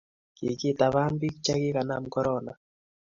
kikitabaan piik che kikanam korona